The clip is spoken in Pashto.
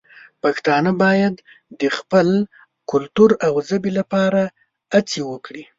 پښتانه باید د خپل کلتور او ژبې لپاره هڅې وکړي.